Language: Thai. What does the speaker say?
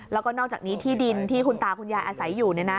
แล้วก็นอกจากนี้ที่ดินที่คุณตาคุณยายอาศัยอยู่